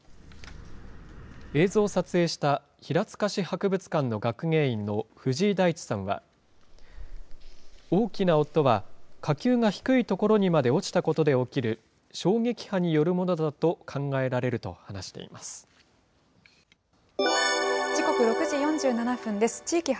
映像を撮影した平塚市博物館の学芸員の藤井大地さんは、大きな音は、火球が低い所にまで落ちたことで起きる衝撃波によるものだと考え時刻６時４７分です。